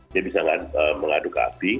dia bisa mengadu ke api